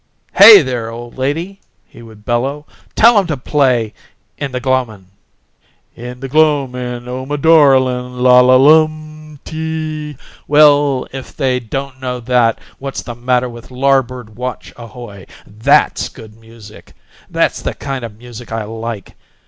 "HAY, there, old lady!" he would bellow. "Tell 'em to play 'In the Gloaming.' In the gloaming, oh, my darling, la la lum tee Well, if they don't know that, what's the matter with 'Larboard Watch, Ahoy'? THAT'S good music! That's the kind o' music I like!